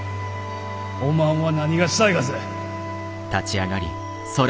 おまんは何がしたいがぜ？